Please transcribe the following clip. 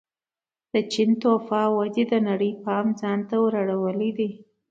د چین توفا ودې د نړۍ پام ځان ته ور اړولی دی.